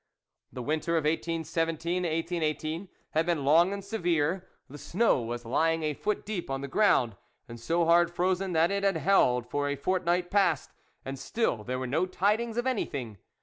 The winter of 1817 to 1818 had been long and severe ; the snow was lying a foot deep on the ground, and so hard frozen that it had held for a fortnight past, and still there were no tidings of anything.